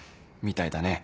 みたいだね。